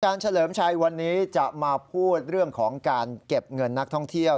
เฉลิมชัยวันนี้จะมาพูดเรื่องของการเก็บเงินนักท่องเที่ยว